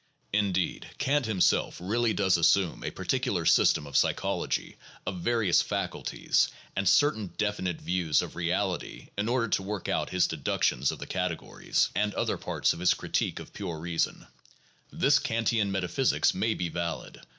Indeed, Kant himself really does assume a particular system of psychology of various "faculties," and certain definite views of reality in order to work out his deductions of the categories and 'Essay I., ch. I., sec. 7. PSYCHOLOGY AND SCIENTIFIC METHODS 203 other parts of his critique of pure reason. This Kantian metaphys ics may be valid.